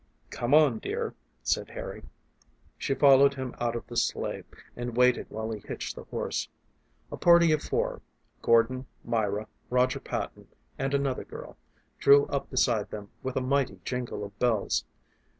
"Come on, dear," said Harry. She followed him out of the sleigh and waited while he hitched the horse. A party of four Gordon, Myra, Roger Patton, and another girl drew up beside them with a mighty jingle of bells.